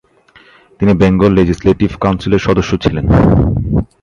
তিনি বেঙ্গল লেজিসলেটিভ কাউন্সিলের সদস্য ছিলেন।